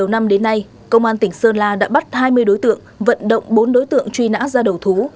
đầu năm đến nay công an tỉnh sơn la đã bắt hai mươi đối tượng vận động bốn đối tượng truy nã ra đầu thú